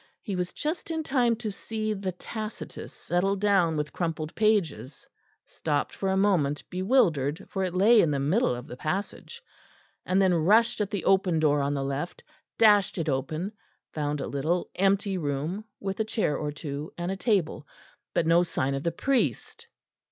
He was just in time to see the Tacitus settle down with crumpled pages; stopped for a moment, bewildered, for it lay in the middle of the passage; and then rushed at the open door on the left, dashed it open, and found a little empty room, with a chair or two, and a table but no sign of the priest.